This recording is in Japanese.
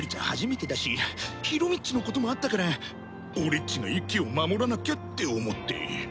初めてだしヒロミっちのこともあったから俺っちが一輝を守らなきゃって思って。